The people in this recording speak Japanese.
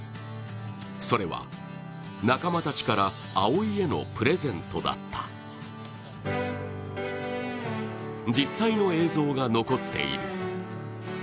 それは仲間たちから蒼生へのプレゼントだった実際の映像が残っている。